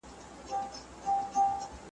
مېرمنې باید ځان ته لومړیتوب ورکړي.